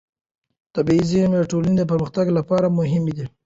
طبیعي زېرمې د ټولنې د پرمختګ لپاره مهمې دي.